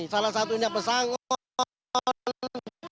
salah satunya pesangon